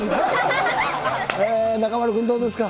中丸君、どうですか。